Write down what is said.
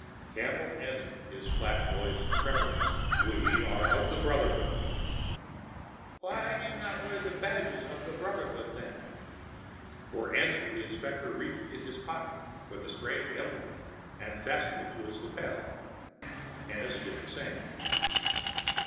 Campbell answered, his flat voice tremorless. "We are of the Brotherhood." "Why do you not wear the badge of the Brotherhood, then?" For answer, the inspector reached in his pocket for the strange emblem and fastened it to his lapel. Ennis did the same.